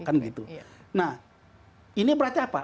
nah ini berarti apa